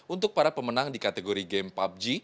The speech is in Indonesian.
untuk para pemenang di kategori game pubg